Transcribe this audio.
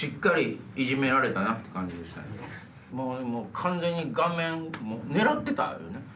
完全に顔面狙ってたよね？